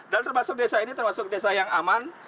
dan termasuk desa ini termasuk desa yang aman